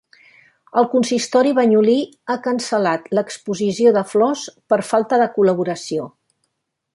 El Consistori banyolí ha cancel·lat l'Exposició de Flors per falta de col·laboració.